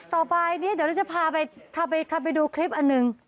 ต่อไปนี่เดี๋ยวจะพาไปคำไปดูคลิปอันนึง